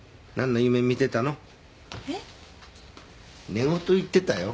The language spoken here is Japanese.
寝言言ってたよ。